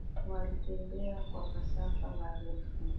Walitembea kwa masafa marefu